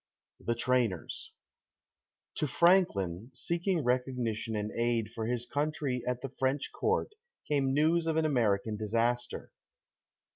THE TRAINERS To Franklin, seeking recognition and aid for his country at the French court, came news of an American disaster.